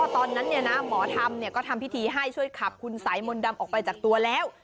ตอนนั้นหมอธรรมก็ทำพิธีให้ช่วยขับคุณสายมนต์ดำออกไปจากตัวแล้ว